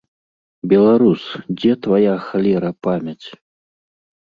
Беларус, дзе твая, халера, памяць?!